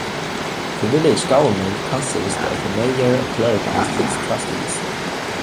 The village government consists of a mayor, a clerk, and six trustees.